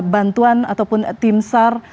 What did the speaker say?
bantuan ataupun tim sar